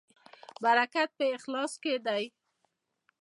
برکت په اخلاص کې دی